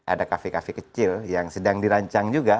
ada kafe kafe kecil yang sedang dirancang juga